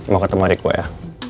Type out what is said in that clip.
mau ketemu adik gue